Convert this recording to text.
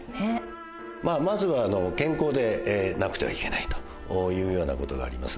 まずは健康でなくてはいけないというような事があります。